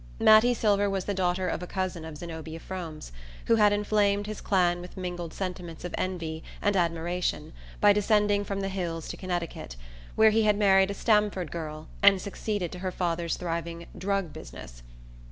Mattie Silver was the daughter of a cousin of Zenobia Frome's, who had inflamed his clan with mingled sentiments of envy and admiration by descending from the hills to Connecticut, where he had married a Stamford girl and succeeded to her father's thriving "drug" business.